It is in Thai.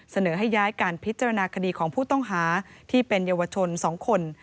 เสนอให้ย้ายการพิจารณาคดีของผู้ต้องหาที่เป็นเยาวชน๒คน